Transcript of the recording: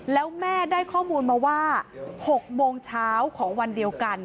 แล้วแม่ได้ข้อมูลมาว่า๖โมงเช้าของวันเดียวกัน